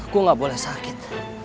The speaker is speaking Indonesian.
gue gak boleh sakit